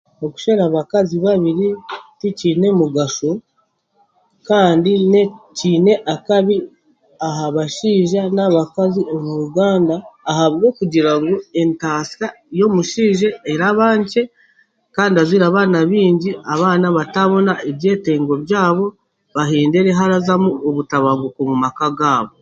Okushwera abakazi babiri tikiine mugasho kandi n'eki kiine akabi aha bashaija n'abakazi omu Uganda ahabwokugira ngu entaasa y'omushaija eraba nkye kandi azaire abaana baingi abaana bataabona ebyetengo byabo hahendere harazamu obutabanguko omu maka gaabo.